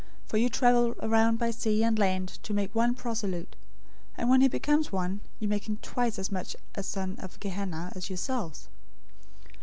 For you travel around by sea and land to make one proselyte; and when he becomes one, you make him twice as much of a son of Gehenna{or, Hell} as yourselves.